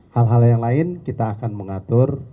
hal hal yang lain kita akan mengatur